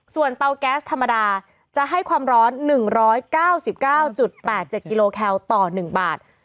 ส่วนเตาแก๊สธรรมดาจะให้ความร้อน๑๙๙๘๗กิโลแคลต่อ๑บาท